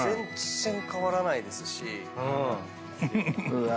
うわ。